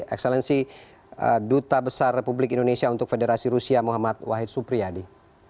ekselensi duta besar republik indonesia untuk federasi rusia muhammad wahid supriyadi